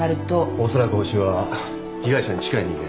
おそらくホシは被害者に近い人間。